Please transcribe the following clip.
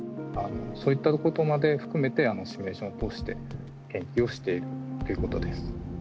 そういったことまで含めてシミュレーションを通して研究をしているっていうことです。